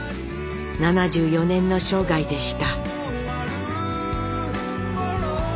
７４年の生涯でした。